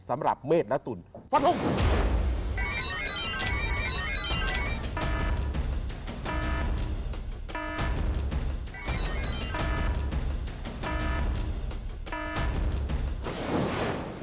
สำหรับเมษและตุลสวัสดีครับ